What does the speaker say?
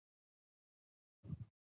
واورې ښویدنه په بدخشان کې څومره پیښیږي؟